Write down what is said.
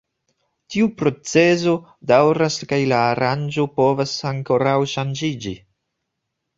Tiu procezo daŭras kaj la aranĝo povas ankoraŭ ŝanĝiĝi.